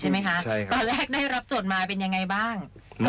ตอนแรกได้รับจดมาเป็นยังไงบ้าง